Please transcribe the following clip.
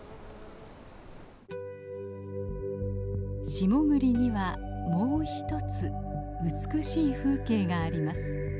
下栗にはもう一つ美しい風景があります。